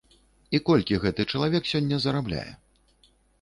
І колькі гэты чалавек сёння зарабляе?